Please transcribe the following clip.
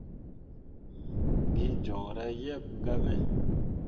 Gee joŋra yeb gah me.